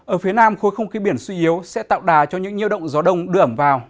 ở phía nam khối không khí biển suy yếu sẽ tạo đà cho những nhiễu động gió đông đưa ẩm vào